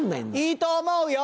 いいと思うよ！